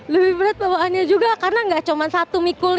lebih berat bawaannya juga karena gak cuma satu mikulnya